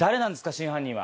真犯人は。